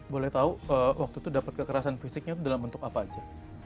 boleh tahu waktu itu dapat kekerasan fisiknya itu dalam bentuk apa aja